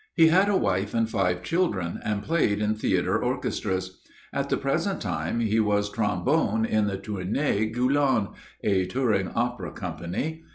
He had a wife and five children and played in theatre orchestras. At the present time he was trombone in the "Tournée Gulland," a touring opera company.